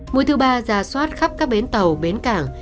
mũi thứ ba ra soát khắp các bến tàu bến cảng